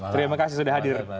terima kasih sudah hadir